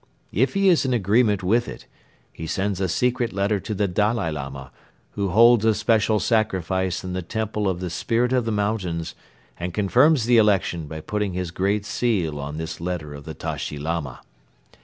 If he is in agreement with it, he sends a secret letter to the Dalai Lama, who holds a special sacrifice in the Temple of the 'Spirit of the Mountains' and confirms the election by putting his great seal on this letter of the Tashi Lama.